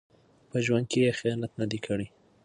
په ژوند کې یې خیانت نه دی کړی.